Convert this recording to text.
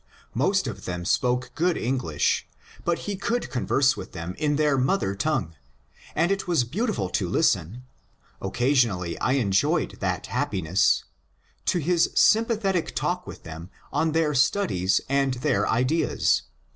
Most of them spoke good English, but he could converse with them in their mother tongue, and it was beautiful to listen — occasionally I enjoyed that happiness — to his sympathetic talk with them on their studies and their ideas.